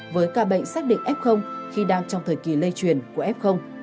với ca bệnh xác định f khi đang trong thời kỳ lây truyền của f